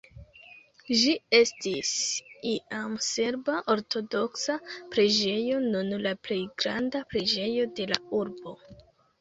Ĝi estis iam serba ortodoksa preĝejo, nun la plej granda preĝejo de la urbo.